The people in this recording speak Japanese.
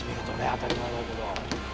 当たり前だけど。